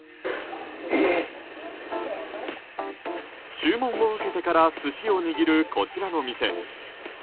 注文を受けてから寿司を握るこちらの店。